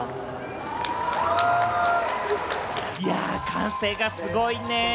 歓声がすごいね。